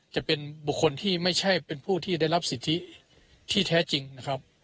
จะเป็นบุคคลที่ไม่ใช่เป็นผู้ที่ได้รับสิทธิที่แท้จริงนะครับ